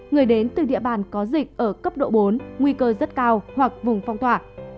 người đến từ địa bàn có dịch ở cấp độ bốn nguy cơ rất cao hoặc vùng phong tỏa